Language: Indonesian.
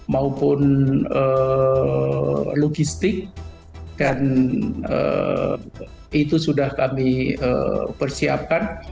maupun logistik dan itu sudah kami persiapkan